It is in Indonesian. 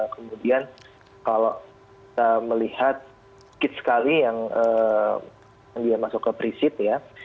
kemudian kalau kita melihat sedikit sekali yang masuk ke preset ya